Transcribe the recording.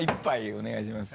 お願いします。